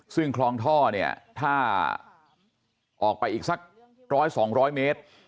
ซึ่งคลองท่อถ้าออกไปอีกสักร้อย๒๐๐เมตร